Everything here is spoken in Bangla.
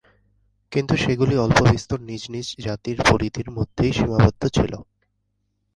কিন্তু সেগুলি অল্পবিস্তর নিজ নিজ জাতির পরিধির মধ্যেই সীমাবদ্ধ ছিল।